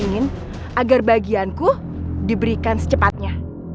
ingin agar bagianku diberikan secepatnya